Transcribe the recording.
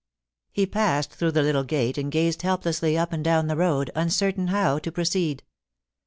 He passed through the little gate and gazed helplessly up and down the road, uncertain how to proceed.